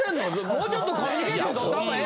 もうちょっとコミュニケーションとった方がええと。